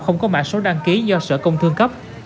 không có mạng số đăng ký do sở công thương cấp